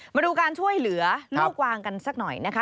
มาดูการช่วยเหลือลูกวางกันสักหน่อยนะคะ